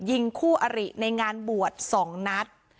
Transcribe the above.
ยิงคู่อริในงานบวช๒นัด